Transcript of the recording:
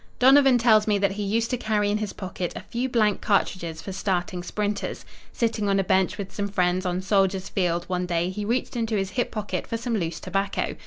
Donovan tells me that he used to carry in his pocket a few blank cartridges for starting sprinters. Sitting on a bench with some friends, on Soldiers' Field, one day he reached into his hip pocket for some loose tobacco.